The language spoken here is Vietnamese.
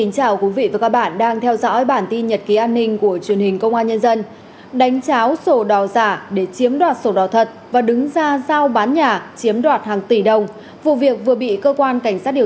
các bạn hãy đăng ký kênh để ủng hộ kênh của chúng mình nhé